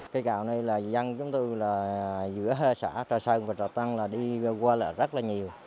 cây cầu này là dân chúng tôi là giữa hơi xã trà sơn và trà tân là đi qua là rất là nhiều